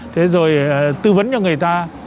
thế rồi tư vấn cho người ta